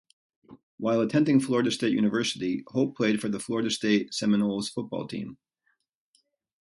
While attending Florida State University, Hope played for the Florida State Seminoles football team.